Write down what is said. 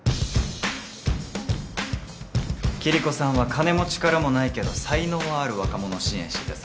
キリコさんは金も力もないけど才能はある若者を支援しててさ